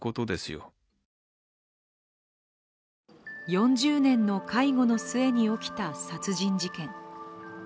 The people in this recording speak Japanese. ４０年の介護の末に起きた殺人事件。